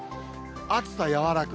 暑さ和らぐ。